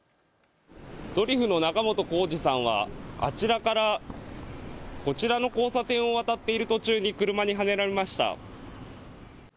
ドリフの仲本工事さんはあちらからこちらの交差点を渡っている途中に車にはねられました。